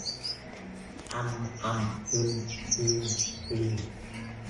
อัม อำ อึม อืม อือ